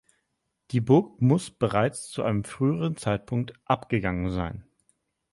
Die Burg muss bereits zu einem früheren Zeitpunkt abgegangen sein.